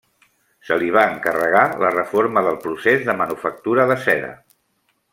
Se li va encarregar la reforma del procés de manufactura de seda.